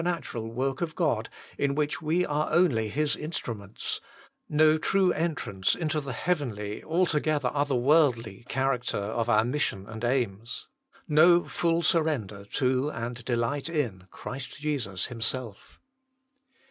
73 natural work of God in which we are only His instruments, no true entrance into the heavenly, altogether other worldly, character of our mission and aims, no full surrender to and delight in Christ Jesus Himself.